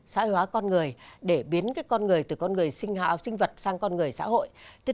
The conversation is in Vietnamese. xã hội hóa con người để biến con người từ con người sinh vật sang con người xã hội